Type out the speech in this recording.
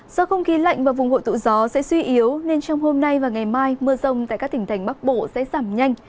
do không khí lạnh và vùng hội tụ gió sẽ suy yếu nên trong hôm nay và ngày mai mưa rông tại các tỉnh thành bắc bộ sẽ giảm nhanh